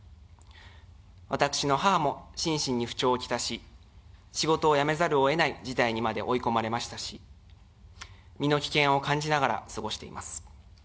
私の母も心身に不調をきたし、仕事を辞めざるをえない事態にまで追い込まれましたし、身の危険を感じながら過ごしています。